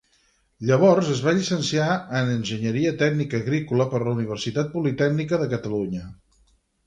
Llavors es va llicenciar en Enginyeria Tècnica Agrícola per la Universitat Politècnica de Catalunya.